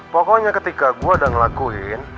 pokoknya ketika gue udah ngelakuin